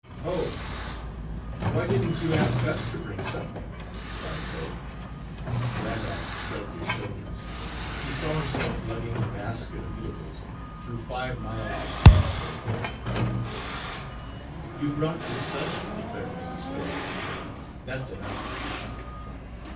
"Oh, why didn't you ask us to bring something!" cried Cope. Randolph shrugged his shoulders: he saw himself lugging a basket of eatables through five miles of sand and thicket. "You've brought yourself," declared Mrs. Phillips genially. "That's enough."